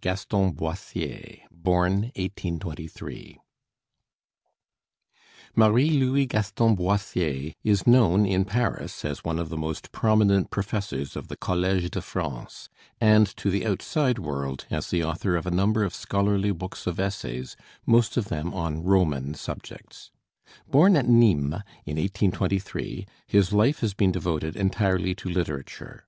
GASTON BOISSIER (1823 ) Marie Louis Gaston Boissier is known in Paris as one of the most prominent professors of the Collège de France, and to the outside world as the author of a number of scholarly books of essays, most of them on Roman subjects. Born at Nîmes in 1823, his life has been devoted entirely to literature.